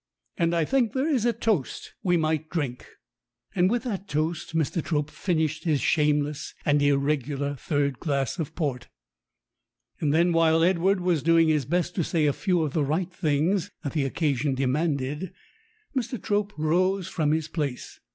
And I think there is a toast we might drink." And with that toast Mr. Trope finished his shameless and irregular third glass of port. And then while Edward was doing his best to say a few of the right things that the occasion demanded, Mr. Trope rose from his place.